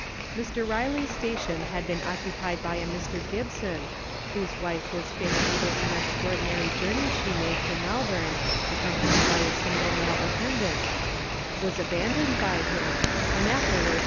Mr. Riley's station had been occupied by a Mr. Gibson (whose wife was famous for some extraordinary journeys she made to Melbourne, accompanied by a single male attendant), was abandoned by him, and afterwards Letters from Victorian Pioneers.